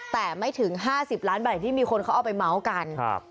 แต่ไม่ถึง๕๐ล้านบาทที่มีคนเขาออกไปเม้ากัน